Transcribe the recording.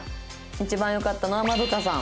「一番良かったのはまどかさん」。